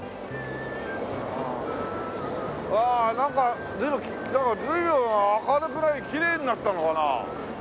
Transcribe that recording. うわなんか随分なんか随分明るくきれいになったのかな？